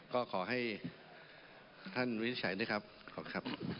ก็ขอให้ท่านวินิจฉัยด้วยครับขอบคุณครับ